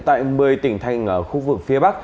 tại một mươi tỉnh thành khu vực phía bắc